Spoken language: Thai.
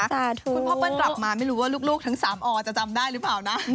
คุณพ่อเปิ้ลกลับมาไม่รู้ว่าลูกทั้ง๓อจะจำได้หรือเปล่านะ